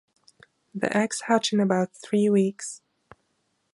The eggs hatch in about three weeks.